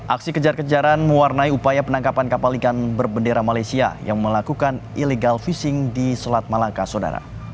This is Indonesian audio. aksi kejar kejaran mewarnai upaya penangkapan kapal ikan berbendera malaysia yang melakukan illegal fishing di selat malangka sodara